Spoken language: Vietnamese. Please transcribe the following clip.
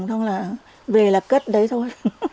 xong là về là cất đấy thôi